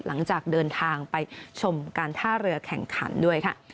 หลังจากเดินทางไปชมการท่าเรือแข่งขันด้วยค่ะ